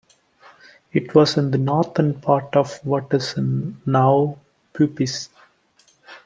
It was in the northern part of what is now Puppis.